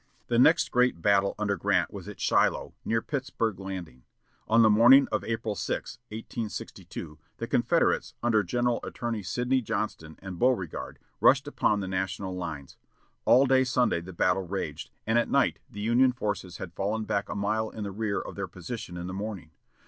The next great battle under Grant was at Shiloh, near Pittsburg Landing. On the morning of April 6, 1862, the Confederates, under General Albert Sidney Johnston and Beauregard, rushed upon the national lines. All day Sunday the battle raged, and at night the Union forces had fallen back a mile in the rear of their position in the morning.